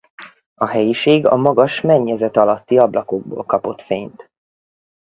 A helyiség a magas mennyezet alatti ablakokból kapott fényt.